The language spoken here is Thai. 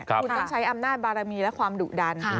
คุณต้องใช้อำนาจบารมีและความดุดัน